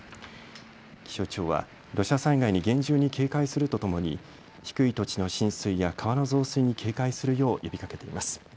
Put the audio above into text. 気象庁は土砂災害に厳重に警戒するとともに低い土地の浸水や川の増水に警戒するよう呼びかけています。